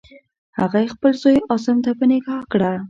هغه یې خپل زوی عاصم ته په نکاح کړه.